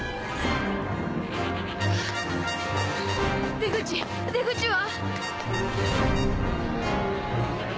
出口出口は？